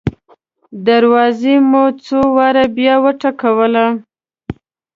دروازه مو څو واره بیا وټکوله.